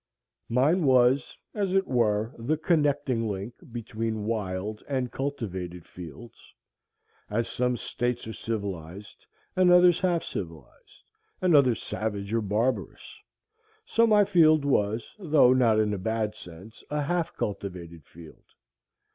Mine was, as it were, the connecting link between wild and cultivated fields; as some states are civilized, and others half civilized, and others savage or barbarous, so my field was, though not in a bad sense, a half cultivated field.